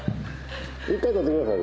一回撮ってください。